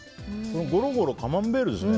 ごろごろ、カマンベールですね。